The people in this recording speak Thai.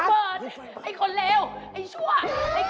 ประเบิดไอ้คนเหลวไอ้ชั่ว